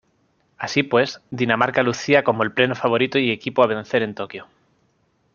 Así pues, Dinamarca lucía como el pleno favorito y equipo a vencer en Tokyo.